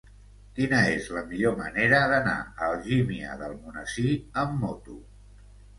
Quina és la millor manera d'anar a Algímia d'Almonesir amb moto?